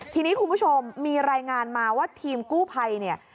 ทีนี้คุณผู้ชมมีรายงานมาว่าทีมกู้ภัยเนี่ย